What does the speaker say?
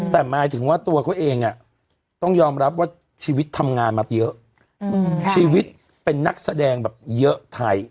แต่หมายถึงว่าตัวเขาเองต้องยอมรับว่าชีวิตทำงานมาเยอะชีวิตเป็นนักแสดงแบบเยอะไทย